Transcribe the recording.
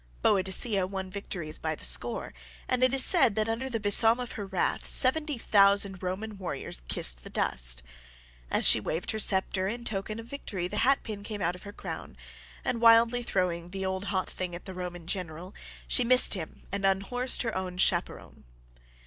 ] Boadicea won victories by the score, and it is said that under the besom of her wrath seventy thousand Roman warriors kissed the dust. As she waved her sceptre in token of victory the hat pin came out of her crown, and wildly throwing the "old hot thing" at the Roman general, she missed him and unhorsed her own chaperon.